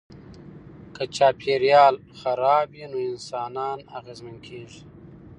که چاپیریال خراب وي نو انسانان اغېزمن کیږي.